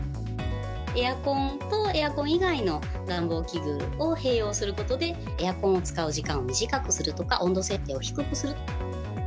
エアコンと、エアコン以外の暖房器具を併用することで、エアコンを使う時間を短くするとか、温度設定を低くする。